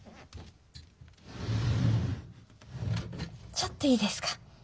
ちょっといいですか？